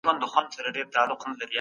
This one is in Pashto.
په ترازو کي کمي مه کوئ.